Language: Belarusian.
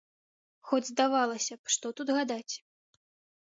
Хоць, здавалася б, што тут гадаць?